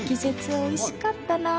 おいしかったなあ